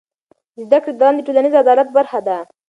د زده کړې دوام د ټولنیز عدالت برخه ده.